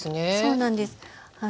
そうなんです。